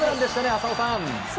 浅尾さん。